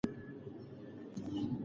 که وکیل وي نو حق نه ضایع کیږي.